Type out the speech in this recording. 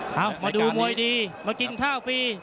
เอ้ามาดูมวยดีมากินข้าวฟรี